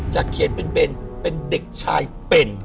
จัดเขตเป็นเบนเป็นเด็กชายเป็น